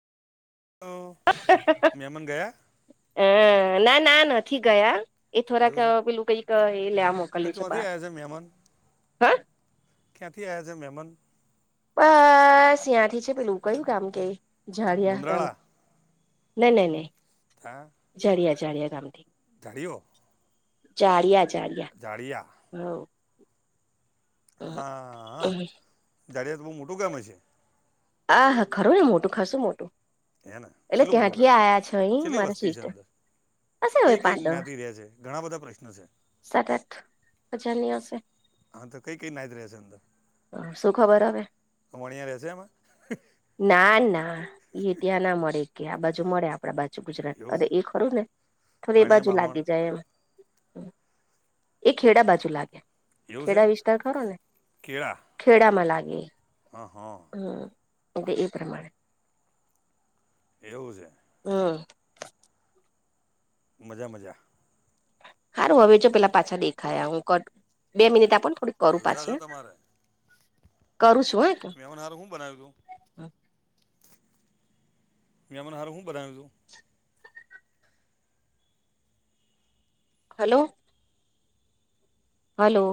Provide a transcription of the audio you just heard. હ મેયામન ગયા. હ ના ના નથી ગયા. એ થોરાક એવું છે પેલું કઈક એ લ્યા મોકલ્યું છે ત્યાંથી બાર આવ્યા હા. ખ્યાંથી આ્યા છે મ મેહેમન. બસ યાંથી છે પેલું કયું કામ કે ળિયા ગામ. મુંદ્રાળા નહી નહી નહી. હા. જળિયા જાળિયા ગામથીી. દાડીઓ. ચાળિયા ચાળિયા ઝાડિયા હ. હા હ દાડિયા તો બહુ મોટું કામ હશે. આ હા ખરો ને મોટું ખાાસું મોટું. હેને એટલે ચલું મોડું ત્યાંથી કામ આયા છે અહી ચલ્લી મારા વસ્તી છે સિસ્ટર અંદર. હશે હવે કઈ કઈ પાંચ દહ જ્ઞાતિ રહ્યા છે ઘણા બધા પ્રશ્ન છે. સાત આઠ હજારની હશે હા તો કઈ કઈ નાહઈત રહે છે અંદર. શું ખબર હવે વણિયા રહે છે એમાં ના ના. હા એ ત્યાં ના મળે કે આ બાજુ મળે આપડા બાજુ. ગુજરાત અ એવું છે એ ખરું ને થોડી એ વણિયા બાજુ બામણ લાગી જાય એમ. એ હેડા બાજુ લાગે. એવું છે ખેડા વિસ્તાર ખરો ને કેળા. ખેડામાં લાગે. હ હા. હ એ એ પ્રમાણે. એવું છે. હમ. મજા મજા. સારું હવે જો પેલા પાછા દેખાયા હું કર બે મિનિટ આપોને થોડીક. કરું જલસા છે પાછી તમારે કરું છું હા એમને હરું શું બનાવ્યું તું. મેમને હાર હું બનાવ્યું છું. હલો. હલો.